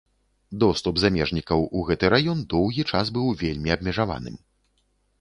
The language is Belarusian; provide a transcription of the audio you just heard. Доступ замежнікаў у гэты раён доўгі час быў вельмі абмежаваным.